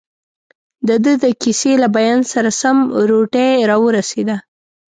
دده د کیسې له بیان سره سم، روټۍ راورسېده.